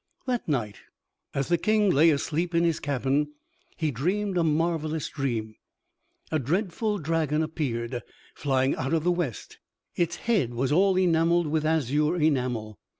That night, as the King lay asleep in his cabin, he dreamed a marvelous dream. A dreadful dragon appeared, flying out of the west. Its head was all enameled with azure enamel.